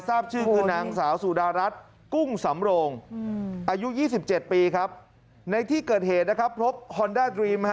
ทราบชื่อคือนางสาวสุดารัสกุ้งสำโรง